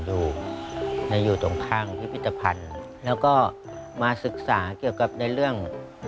อยู่ตรงข้างพิพิตภัณฑ์เขาก็มาศึกษาเสียวขึ้นแล้วก็มาศึกษาเกี่ยวกับในเรื่อง